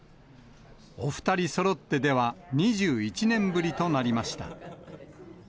お２人そろってでは２１年ぶりとなりました。